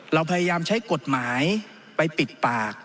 เราพยายามใช้กฎหมายไปปิดปาก